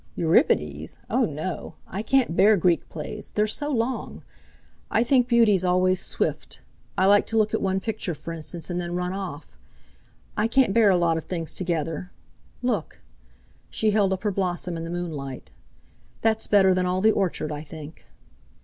"Euripides? Oh! no, I can't bear Greek plays; they're so long. I think beauty's always swift. I like to look at one picture, for instance, and then run off. I can't bear a lot of things together. Look!" She held up her blossom in the moonlight. "That's better than all the orchard, I think."